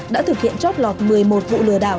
đã thực hiện chót lọt một mươi một vụ lừa đảo